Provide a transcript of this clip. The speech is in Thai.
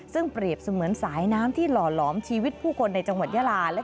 ซึ่งเปรียบเสมือนสายน้ำที่หล่อหลอมชีวิตผู้คนในจังหวัดยาลา